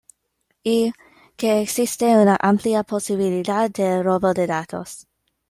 Y que existe una amplia posibilidad de robo de datos.